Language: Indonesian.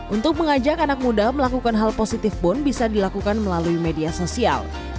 untuk mengajak anak muda melakukan hal positif pun bisa dilakukan melalui media sosial